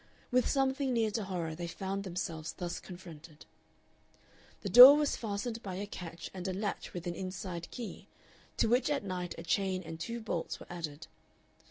With something near to horror they found themselves thus confronted. The door was fastened by a catch and a latch with an inside key, to which at night a chain and two bolts were added.